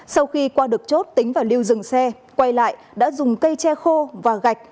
sau khi qua được chốt tính vào lưu dừng xe quay lại đã dùng cây che khô và gạch